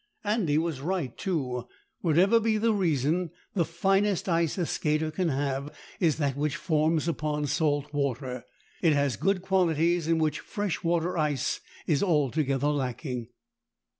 Andy was right, too. Whatever be the reason, the finest ice a skater can have is that which forms upon salt water. It has good qualities in which fresh water ice is altogether lacking.